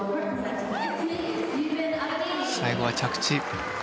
最後は着地。